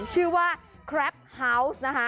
ชื่อว่าคราบเฮาส์